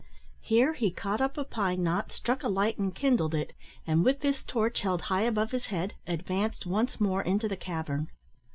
Here he caught up a pine knot, struck a light and kindled it, and, with this torch held high above his head, advanced once more into the cavern.